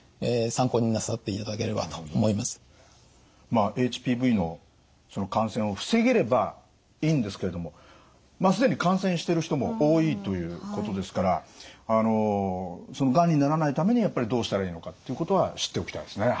まあＨＰＶの感染を防げればいいんですけれどもまあ既に感染してる人も多いということですからあのがんにならないためにはやっぱりどうしたらいいのかっていうことは知っておきたいですね。